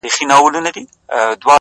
سترگي چي اوس نه برېښي د خدای له نور _